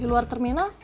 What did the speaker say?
di luar terminal